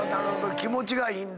気持ちがいいんだ。